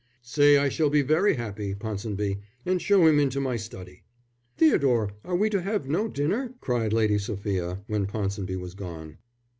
"Say I shall be very happy, Ponsonby, and show him into my study." "Theodore, are we to have no dinner?" cried Lady Sophia, when Ponsonby was gone.